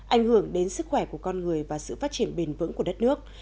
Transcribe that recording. ảnh hưởng đến sức khỏe của con người và sự phát triển bền vững của đất nước